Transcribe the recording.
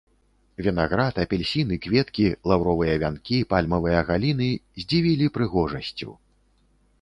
Вінаград, апельсіны, кветкі, лаўровыя вянкі, пальмавыя галіны здзівілі прыгожасцю.